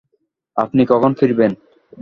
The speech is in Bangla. আপনি কখন ফিরবেন?